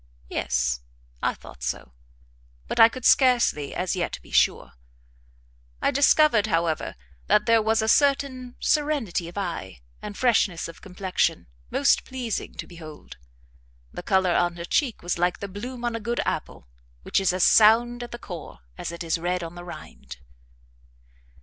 Yes, I thought so; but I could scarcely as yet be sure. I discovered, however, that there was a certain serenity of eye, and freshness of complexion, most pleasing to behold. The colour on her cheek was like the bloom on a good apple, which is as sound at the core as it is red on the rind.